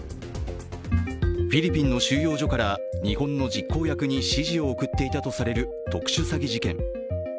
フィリピンの収容所から日本の実行役に指示を送っていたとされる特殊詐欺事件。